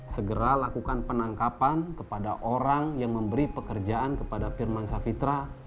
segera lakukan penangkapan kepada orang yang memberi pekerjaan kepada firman safitra